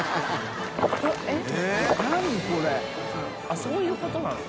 あっそういうことなの？